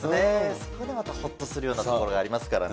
そこでまたほっとするようなところがありますからね。